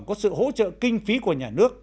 có sự hỗ trợ kinh phí của nhà nước